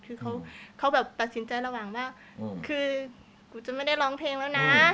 คือเขาแบบตัดสินใจระหว่างว่าคือกูจะไม่ได้ร้องเพลงแล้วนะ